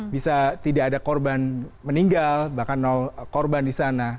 bisa tidak ada korban meninggal bahkan korban di sana